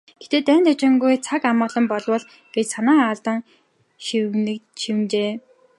"Гэхдээ дайн дажингүй, цаг амгалан болбол" гэж санаа алдан шивнэжээ.